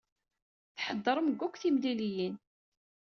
Tḥeddṛem deg wakk timliliyin.